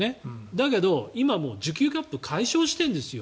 だけど今、需給キャップ解消してるんですよ。